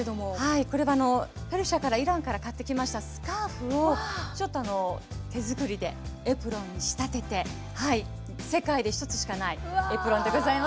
これはペルシャからイランから買ってきましたスカーフをちょっと手作りでエプロンに仕立てて世界で一つしかないエプロンでございます。